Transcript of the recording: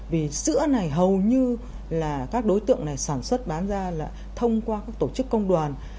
vì sữa này hầu như các đối tượng sản xuất bán ra thông qua các tổ chức công đoàn